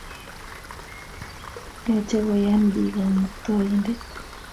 Yache koyan pik kamukatainden